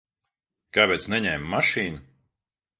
Kāpēc neņēma mašīnu?